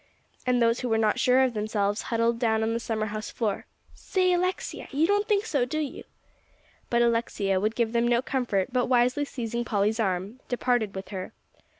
And those who were not sure of themselves huddled down on the summer house floor. "Say, Alexia, you don't think so, do you?" But Alexia would give them no comfort, but wisely seizing Polly's arm, departed with her.